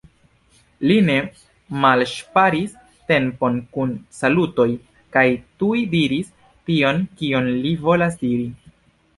Li ne malŝparis tempon kun salutoj, kaj tuj diris tion, kion li volas diri.